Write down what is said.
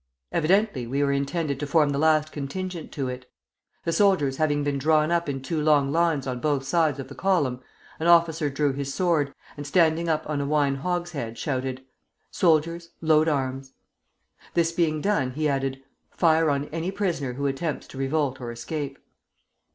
Evidently we were intended to form the last contingent to it. The soldiers having been drawn up in two long lines on both sides of the column, an officer drew his sword, and standing up on a wine hogshead, shouted: 'Soldiers, load arms.' This being done, he added: 'Fire on any prisoner who attempts to revolt or escape.'